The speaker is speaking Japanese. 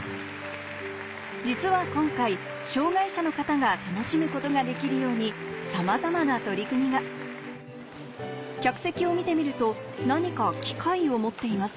実は今回障がい者の方が楽しむことができるようにさまざまな取り組みが客席を見てみると何か機械を持っています